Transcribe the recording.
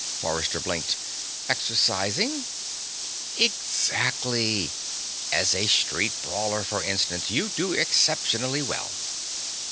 Forrester blinked. "Exercising?" "Exactly. As a street brawler, for instance, you do exceptionally well."